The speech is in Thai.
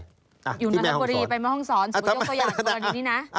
อยู่นอนทะพุดีไปแม่ห้องสรสมมุติยกตัวอย่างกว่านี้นะ